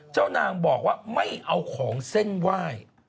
เจ้านางบอกว่าไม่เอาของเส้นไหว้